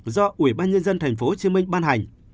do ủy ban nhân dân tp hcm ban hành